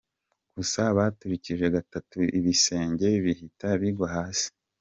Gusa baturikije gatatu ibisenge bihita bigwa hasi.